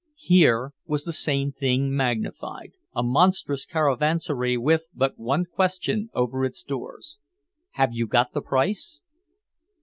Here was the same thing magnified, a monstrous caravansary with but one question over its doors: "Have You Got the Price?"